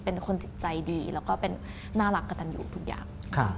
เป็นคนจิตใจดีแล้วก็เป็นน่ารักกระตันอยู่ทุกอย่าง